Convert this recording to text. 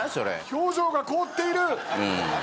表情が凍っている！